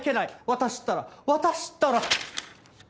私ったら私ったら。